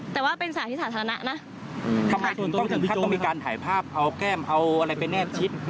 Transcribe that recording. ต้องมีการถ่ายภาพเอาแก้มเอาอะไรไปเน็บชิด